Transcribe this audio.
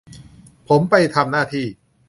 ผมไปทำหน้าที่